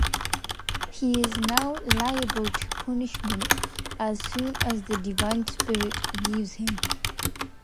He is now liable to punishment as soon as the divine spirit leaves him.